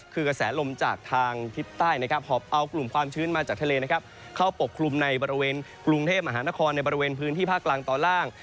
เข้าปกคลุมในบริเวณกรุงเทพฯมหานครในบริเวณพื้นที่ภาคกลางต่อล่าง